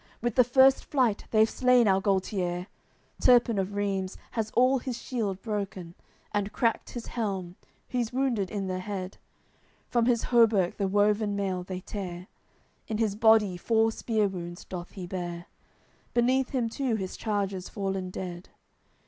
With the first flight they've slain our Gualtier; Turpin of Reims has all his shield broken, And cracked his helm; he's wounded in the head, From his hauberk the woven mail they tear, In his body four spear wounds doth he bear; Beneath him too his charger's fallen dead.